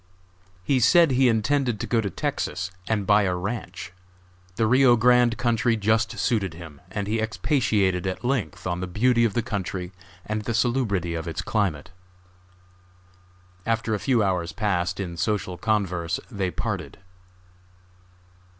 He said he intended to go to Texas and buy a ranche. The Rio Grande country just suited him, and he expatiated at length on the beauty of the country and the salubrity of its climate. After a few hours passed in social converse they parted.